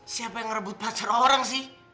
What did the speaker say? siapa yang ngerebut pacar orang sih